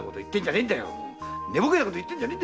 寝ぼけたばかなこと言ってんじゃねえ。